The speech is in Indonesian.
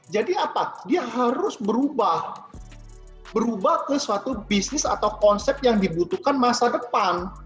jadi harus berubah berubah ke suatu bisnis atau konsep yang dibutuhkan masa depan